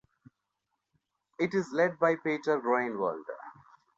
It is led by Pieter Groenewald.